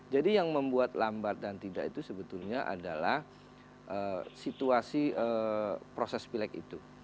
jadi yang membuat lambat dan tidak itu sebetulnya adalah situasi proses pilek itu